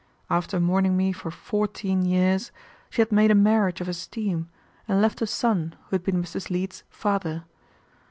After mourning me for fourteen years, she had made a marriage of esteem, and left a son who had been Mrs. Leete's father.